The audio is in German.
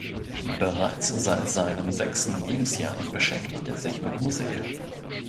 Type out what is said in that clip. Bereits seit seinem sechsten Lebensjahr beschäftigt er sich mit Musik.